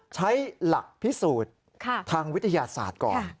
ใช้หลักพิสูจน์ทางวิทยาศาสตร์ก่อน